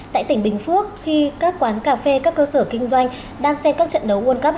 tại tỉnh bình phước khi các quán cà phê các cơ sở kinh doanh đang xem các trận đấu world cup hai nghìn hai mươi hai